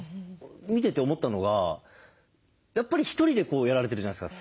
見てて思ったのがやっぱりひとりでやられてるじゃないですか。